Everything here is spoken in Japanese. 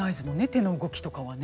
手の動きとかはね。